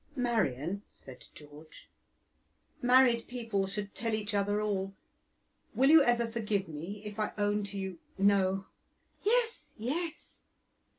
"Marian," said George, "married people should tell each other all. Will you ever forgive me if I own to you; no " "Yes, yes!"